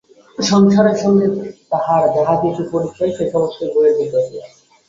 সংসারের সঙ্গে তাহার যাহা-কিছু পরিচয় সে-সমস্তই বইয়ের ভিতর দিয়া।